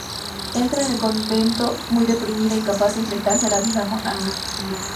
Entra en el convento muy deprimida, incapaz de enfrentarse a la vida monacal.